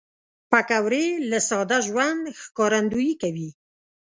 پکورې له ساده ژوند ښکارندويي کوي